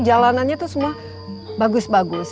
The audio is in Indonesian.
jalanannya itu semua bagus bagus